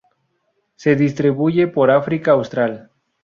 Se distribuye por África austral.